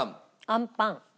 あんパン。